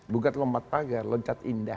bukan lompat pagar loncat indah